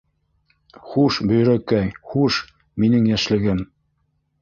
Хуш, Бөйрәкәй, хуш, минең йәшлегем.